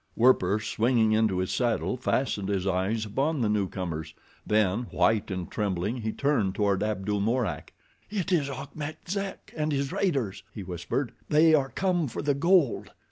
Werper, swinging into his saddle, fastened his eyes upon the newcomers, then, white and trembling he turned toward Abdul Mourak. "It is Achmet Zek and his raiders," he whispered. "They are come for the gold."